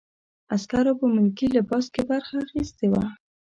عسکرو په ملکي لباس کې برخه اخیستې وه.